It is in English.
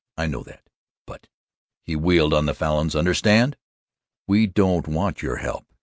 I know that. But" he wheeled on the Falins "understand! We don't want your help!